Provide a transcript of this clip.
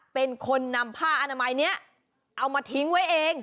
เป็นคนนำผ้าอนามัยนี้เอามาทิ้งไว้เอง